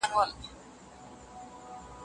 ساینسپوهانو څرګنده کړې چي هره ادعا باید ثابته سي.